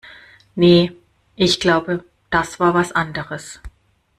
Nee, ich glaube, das war was anderes.